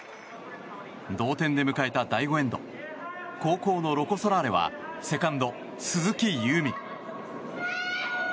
同点で迎えた第５エンド後攻のロコ・ソラーレはセカンド、鈴木夕湖。